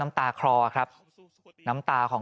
ปี๖๕วันเช่นเดียวกัน